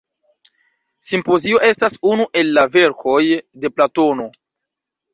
Simpozio estas unu el la verkoj de Platono.